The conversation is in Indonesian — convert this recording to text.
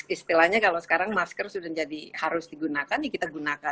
istilahnya kalau sekarang masker sudah jadi harus digunakan ya kita gunakan